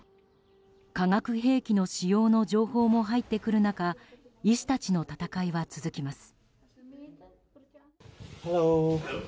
化学兵器の使用の情報も入ってくる中医師たちの闘いは続きます。